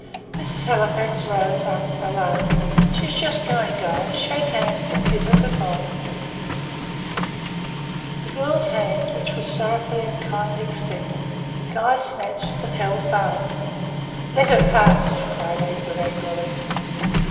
Mrs. Halifax rose up, alarmed. "She is just going, Guy. Shake hands, and bid her good bye." The girl's hand, which was sorrowfully and kindly extended, Guy snatched and held fast. "Let her pass," cried Edwin, angrily.